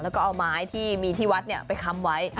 แล้วก็เอาไม้ที่มีที่วัดไปค้ำไว้